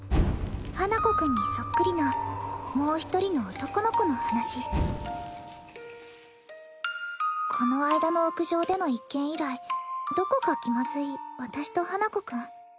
花子くんにそっくりなもう一人の男の子の話このあいだの屋上での一件以来どこか気まずい私と花子くん